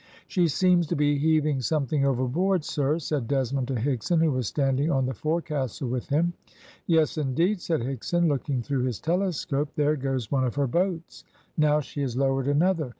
"She seems to be heaving something overboard, sir," said Desmond to Higson, who was standing on the forecastle with him. "Yes, indeed," said Higson, looking through his telescope. "There goes one of her boats! now she has lowered another.